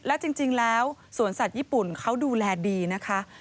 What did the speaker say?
แล้วจริงแล้วสวนสัตว์ญี่ปุ่นเขาดูแลดีนะคะ